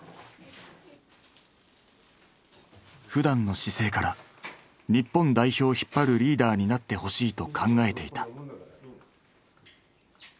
ふだんの姿勢から日本代表を引っ張るリーダーになってほしいと考えていた。